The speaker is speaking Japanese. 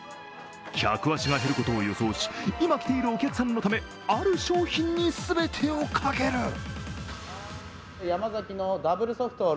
客足が減ることを予想し、今来ているお客さんのため、ある商品にすべてをかける。